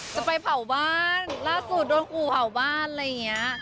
จะไปเผาบ้านล่าสุดโดนกูเผาบ้านอะไรอย่างนี้